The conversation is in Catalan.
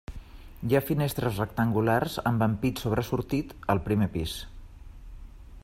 Hi ha finestres rectangulars amb ampit sobresortit al primer pis.